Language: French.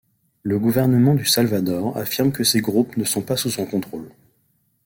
Le gouvernement du Salvador affirme que ces groupes ne sont pas sous son contrôle.